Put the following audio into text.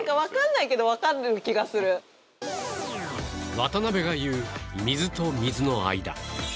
渡辺が言う、水と水の間。